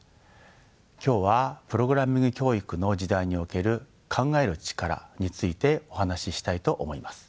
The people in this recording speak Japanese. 今日はプログラミング教育の時代における考える力についてお話ししたいと思います。